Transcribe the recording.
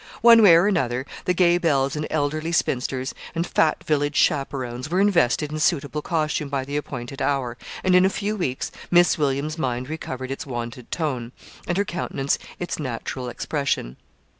One way or another, the gay belles and elderly spinsters, and fat village chaperones, were invested in suitable costume by the appointed hour, and in a few weeks Miss Williams' mind recovered its wonted tone, and her countenance its natural expression.